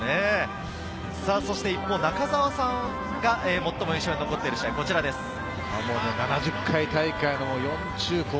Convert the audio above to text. そして一方、中澤さんが最も印象に残っている試合はこちらです。